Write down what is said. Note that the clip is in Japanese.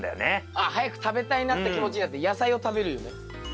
ああ早く食べたいなって気持ちになって野菜を食べる夢？